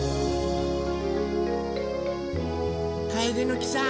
カエデの木さん